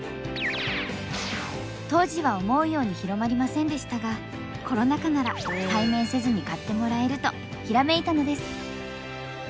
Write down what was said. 当時は思うように広まりませんでしたがコロナ禍なら「対面せずに買ってもらえる」とひらめいたのです。